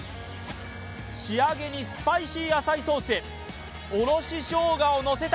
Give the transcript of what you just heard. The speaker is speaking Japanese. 仕上げにスパイシー野菜ソース、おろししょうがをのせた。